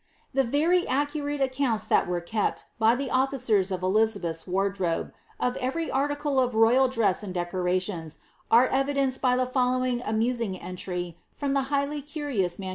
The very accurate accounts that were kept, by tiie officers of Eliza beth's wardrobe, of every article of the royal dress and decorations, are evidenced by the following amusing entry, from the highly curious MS.